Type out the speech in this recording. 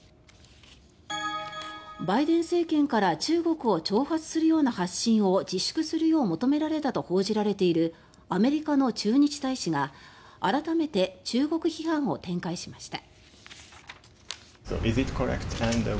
バイデン政権から中国を挑発するような発信を自粛するよう求められたと報じられているアメリカの駐日大使が改めて中国批判を展開しました。